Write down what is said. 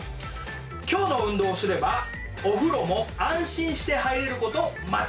今日の運動をすればお風呂も安心して入れること間違いなし。